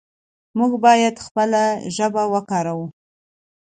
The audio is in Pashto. موږ باید خپله ژبه وکاروو.